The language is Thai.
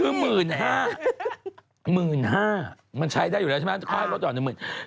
คือหมื่นห้าหมื่นห้ามันใช้ได้อยู่แล้วใช่ไหมข้าวรดยงแต่หมื่น